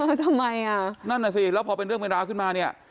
ทำไมอ่ะนั่นน่ะสิแล้วพอเป็นเรื่องเป็นราวขึ้นมาเนี่ย